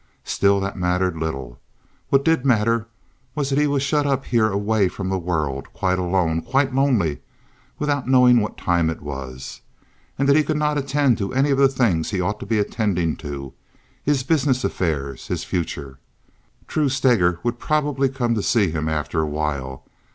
Still, that mattered little. What did matter was that he was shut up here away from the world, quite alone, quite lonely, without knowing what time it was, and that he could not attend to any of the things he ought to be attending to—his business affairs, his future. True, Steger would probably come to see him after a while.